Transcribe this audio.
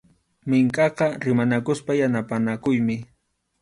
Minkʼaqa rimanakuspa yanapanakuymi.